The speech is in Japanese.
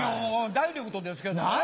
ダイレクトですけどね。